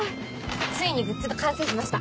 ついにグッズが完成しました。